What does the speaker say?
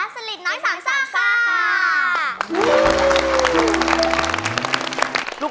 สลิดน้อยสามซ่าค่ะ